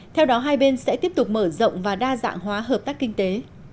theo đó hai bên sẽ tiếp tục mở rộng và đa dạng hóa hợp tác kinh tế